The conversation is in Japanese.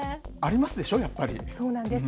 そうなんです。